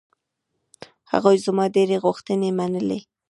هغوی زما ډېرې غوښتنې منلې.